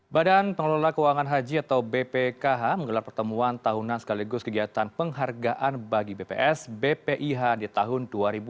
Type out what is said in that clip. badan pengelola keuangan haji atau bpkh menggelar pertemuan tahunan sekaligus kegiatan penghargaan bagi bps bpih di tahun dua ribu dua puluh